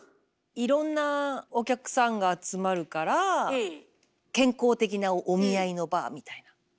いろんなお客さんが集まるから健康的なお見合いの場みたいな。